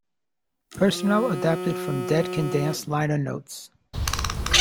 Personnel adapted from "Dead Can Dance" liner notes.